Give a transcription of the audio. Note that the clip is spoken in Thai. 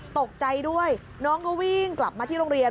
ตกใจด้วยน้องก็วิ่งกลับมาที่โรงเรียน